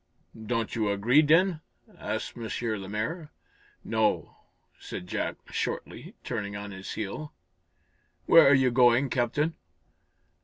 "Don't you agree, then?" asked M. Lemaire. "No," said Jack, shortly, turning on his heel. "Where are you going, Captain?"